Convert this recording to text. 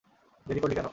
দেরি করলি কেন?